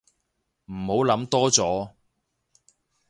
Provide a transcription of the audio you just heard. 唔好諗多咗